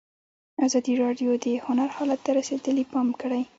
ازادي راډیو د هنر حالت ته رسېدلي پام کړی.